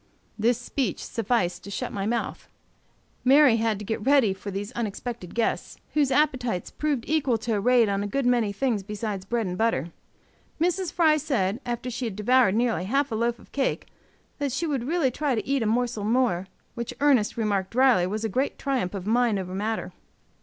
This speech sufficed to shut my mouth. Mary had to get ready for these unexpected guests, whose appetites proved equal to a raid on a good many things besides bread and butter. Mrs. Fry said, after she had devoured nearly half a loaf of cake, that she would really try to eat a morsel more, which Ernest remarked, dryly, was a great triumph of mind over matter.